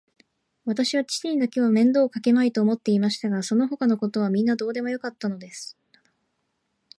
わたしは父にだけは面倒をかけまいと思っていましたが、そのほかのことはみんなどうでもよかったのです。